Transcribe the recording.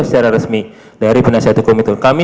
secara resmi dari penasihat hukum itu kami